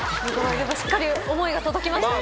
しっかり思いが届きましたね。